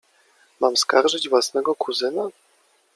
Mam skarżyć własnego kuzyna?